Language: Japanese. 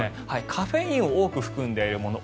カフェインを多く含んでいるもの